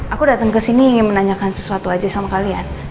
aku datang kesini ingin menanyakan sesuatu aja sama kalian